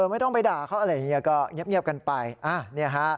ไม่ต้องไปด่าเขาเงียบกันไป